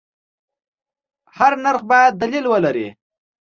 هر نرخ باید دلیل ولري.